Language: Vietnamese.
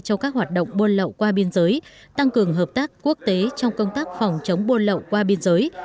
cho các hoạt động buôn lậu qua biên giới tăng cường hợp tác quốc tế trong công tác phòng chống buôn lậu qua biên giới